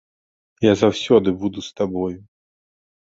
Я заўсёды буду з табою!